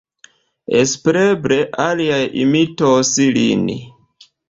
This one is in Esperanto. Espereble aliaj imitos lin!